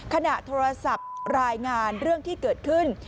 ขณะโทรศัพท์รายงานเรื่องที่เกิดขึ้น